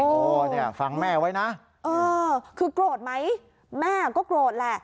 โอ้เนี่ยฟังแม่ไว้นะเออคือโกรธไหมแม่ก็โกรธแหละ